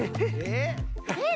えっ？